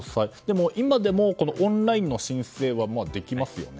今でもオンラインの申請はできますよね。